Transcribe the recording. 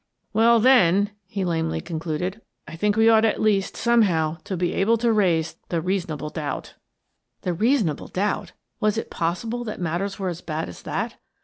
" Well, then," he lamely concluded, " I think we ought at least, somehow, to be able to raise the ' reasonable doubt/ " The reasonable doubt! Was it possible that mat ters were as bad as that?